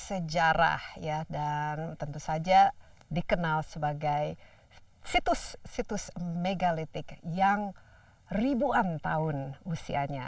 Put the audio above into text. sejarah ya dan tentu saja dikenal sebagai situs situs megalitik yang ribuan tahun usianya